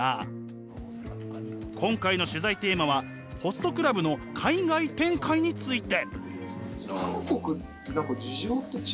今回の取材テーマはホストクラブの海外展開について。